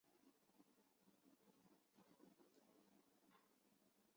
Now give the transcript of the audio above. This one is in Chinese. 俄罗斯则支持其反对派对杜达耶夫进行军事打击。